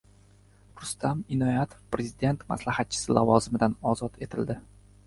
Rustam Inoyatov prezident maslahatchisi lavozimidan ozod etildi